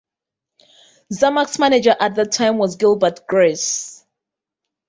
Xamax manager at that time was Gilbert Gress.